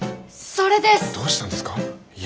それです！